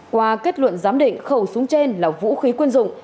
qua kết luận giám định khẩu súng trên là vũ khí quân dụng